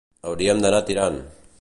Hauríem d'anar tirant